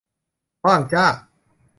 ว่างจ้า